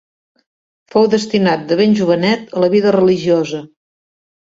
Fou destinat de ben jovenet a la vida religiosa.